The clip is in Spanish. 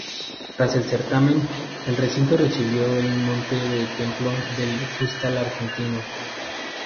Tras el certamen, el recinto recibió el mote de Templo del Futsal Argentino.